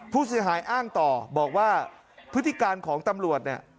ผู้เสียหายอ้างต่อบอกว่าพฤติการของตำรวจเนี่ย